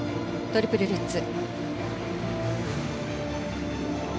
トリプルルッツ。